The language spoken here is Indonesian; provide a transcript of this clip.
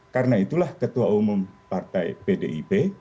karena itulah ketua umum partai pdib